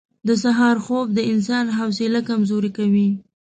• د سهار خوب د انسان حوصله کمزورې کوي.